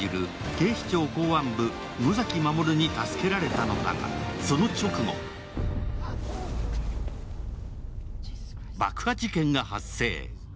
警視庁公安部の野崎守に助けられたのだが、その直後、爆破事件が発生。